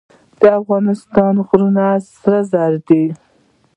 د افغانستان غرونه د سرو زرو دي